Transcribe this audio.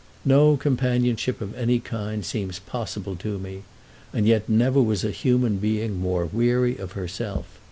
No companionship of any kind seems possible to me, and yet never was a human being more weary of herself.